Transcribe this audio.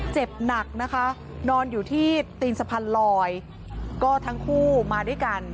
เจ็บหนักนะคะนอนอยู่ที่ตีนสะพานลอยก็ทั้งคู่มาด้วยกัน